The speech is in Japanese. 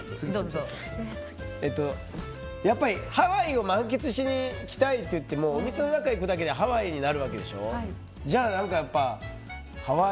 やっぱりハワイを満喫しに来たいって言ってお店の中行くだけでハワイになるわけでしょ。